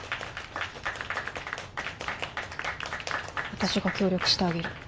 私が協力してあげる。